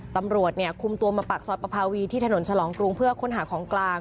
ตำรวจคุมตัวมาปากซอยประภาวีที่ถนนฉลองกรุงเพื่อค้นหาของกลาง